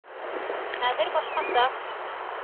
Хәҙер башҡаса.